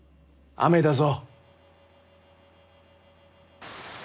雨だぞ！